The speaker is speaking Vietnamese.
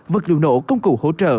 vật liệu nổ công cụ hỗ trợ